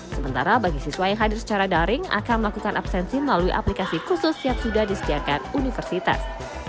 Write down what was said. sementara bagi siswa yang hadir secara daring akan melakukan absensi melalui aplikasi khusus yang sudah disediakan universitas